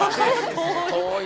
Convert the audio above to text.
遠い。